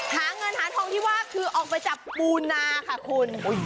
หาเงินหาทองที่ว่าคือออกไปจับปูนาค่ะคุณ